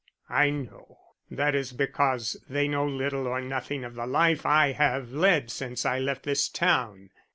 "I know. That is because they know little or nothing of the life I have led since I left this town.